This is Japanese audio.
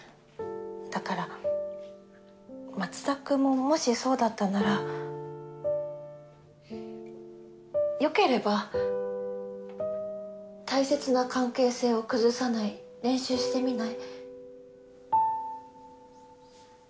だから松田くんももしそうだったならよければ大切な関係性を崩さない練習してみない？